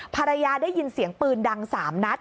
ภรรยาได้ยินเสียงปืนดัง๓นัด